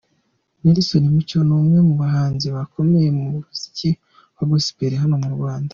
Nelson Mucyo ni umwe mu bahanzi bakomeye mu muziki wa Gospel hano mu Rwanda.